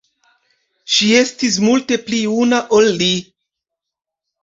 Ŝi estis multe pli juna ol li.